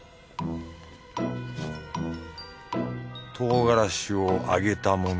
唐辛子を揚げたもの。